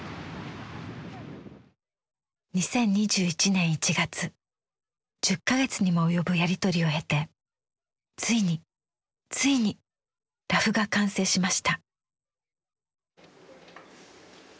２０２１年１月１０か月にも及ぶやり取りを経てついについにラフが完成しました。